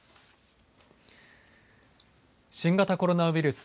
新型コロナウイルス。